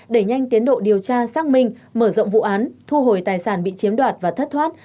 đẩy nhanh tiến độ điều tra xác minh mở rộng vụ án thu hồi tài sản bị chiếm đoạt và thất thoát